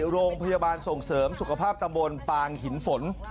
โรงพยาบาลส่งเสริมสุขภาพตำบลปางหินฝน